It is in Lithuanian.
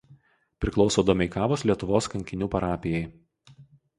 Priklauso Domeikavos Lietuvos kankinių parapijai.